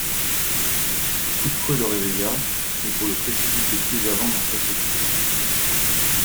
Ce coup de fouet le réveilla, mais pour le précipiter plus avant dans sa sottise.